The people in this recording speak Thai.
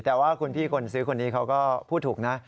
แต่ว่าคุณพี่คนซื้อคนนี้เขาก็พูดถูกนะ